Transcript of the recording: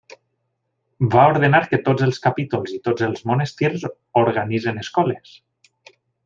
Va ordenar que tots els capítols i tots els monestirs organitzin escoles.